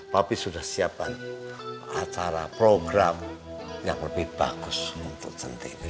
tapi sudah siapkan acara program yang lebih bagus untuk centi